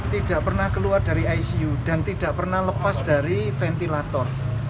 tidak pernah keluar dari icu dan tidak pernah lepas dari ventilator